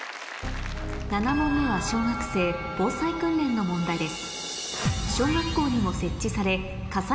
７問目は小学生防災訓練の問題です